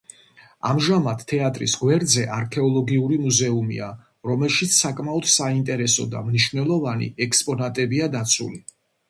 ამჟამად თეატრის გვერდზე არქეოლოგიური მუზეუმია, რომელშიც საკმაოდ საინტერესო და მნიშვნელოვანი ექსპონატებია დაცული.